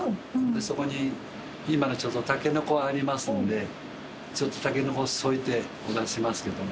そこに今ちょうどタケノコありますのでちょっとタケノコを添えてお出ししますけども。